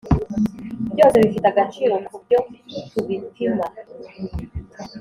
byose bifite agaciro kubyo tubipima,